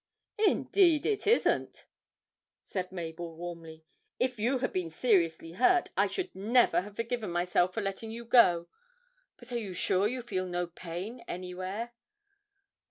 'Indeed it isn't,' said Mabel warmly; 'if you had been seriously hurt I should never have forgiven myself for letting you go but are you sure you feel no pain anywhere?'